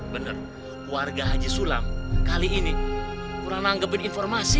bener warga haji sulam kali ini kurang nanggepin informasi